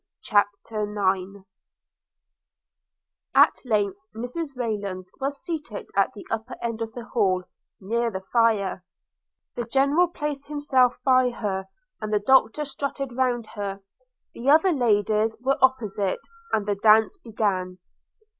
CHAPTER IX AT length Mrs Rayland was seated at the upper end of the hall, near the fire – the General placed himself by her, and the Doctor strutted round her – the other ladies were opposite; and the dance began.